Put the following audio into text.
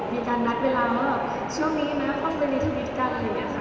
มีการนัดเวลาว่าแบบช่วงนี้นะเข้าไปในทวิตกันอะไรอย่างนี้ค่ะ